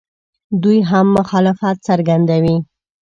دوی هم مخالفت څرګندوي.